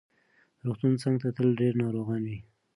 د روغتون څنګ ته تل ډېر ناروغان وي.